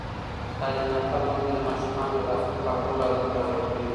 تعلیم یافته میندې د ماشومانو د لاسونو پاکولو عادت پیاوړی کوي.